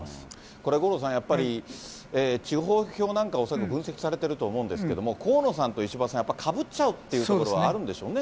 これ、五郎さん、やっぱり、地方票なんか恐らく分析されてると思うんですけれども、河野さんと石破さん、やっぱかぶっちゃうっていうところはあるんでしょうね。